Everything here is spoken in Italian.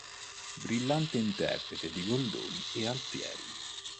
Brillante interprete di Goldoni e Alfieri.